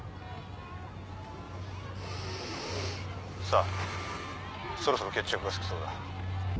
さあそろそろ決着がつきそうだ。